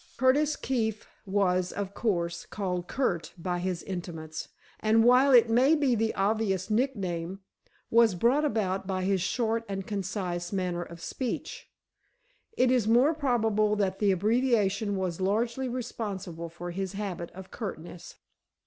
Curtis Keefe was, of course, called Curt by his intimates, and while it may be the obvious nickname was brought about by his short and concise manner of speech, it is more probable that the abbreviation was largely responsible for his habit of curtness.